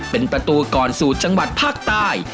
เป็นประตูก่อนสู่จังหวัดภาคใต้